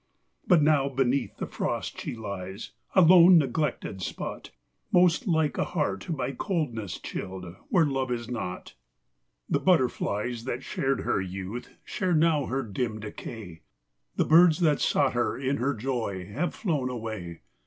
But now beneath the frost she lies, A lone, neglected spot ; Most like a heart by coldness chilled, Where love is not. 74 LA TE CHR YSANTHEMUMS . 75 The butterflies that shared her youth Share now her dim decay ; The birds that sought her in her joy Have flown away.